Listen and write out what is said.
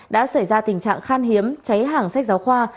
đã xảy ra tình trạng khan hiếm cháy hàng sách giáo khoa